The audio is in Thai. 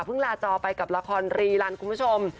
ลาจอไปกับละครรีรันคุณผู้ชม